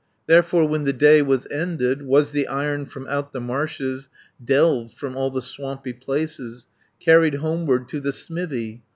"Therefore when the day was ended, Was the Iron from out the marshes, Delved from all the swampy places, Carried homeward to the smithy.